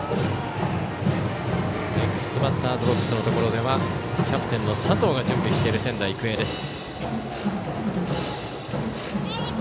ネクストバッターズボックスのところではキャプテンの佐藤が準備している仙台育英です。